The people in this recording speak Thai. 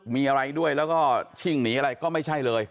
มีอะไรด้วยแล้วก็ชิ่งหนีอะไรก็ไม่ใช่เลย